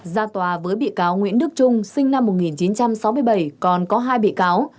ra tòa với bị cáo nguyễn đức trung sinh năm một nghìn chín trăm sáu mươi bảy còn có hai bị cáo